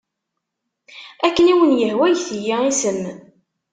Akken i wen-yehwa get-iyi isem.